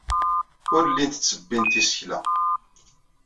Ur llint ttebbint isekla.